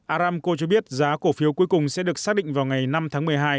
aramco cho biết giá cổ phiếu cuối cùng sẽ được xác định vào ngày năm tháng một mươi hai